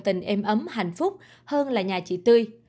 tình êm ấm hạnh phúc hơn là nhà chị tươi